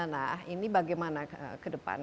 nah ini bagaimana ke depan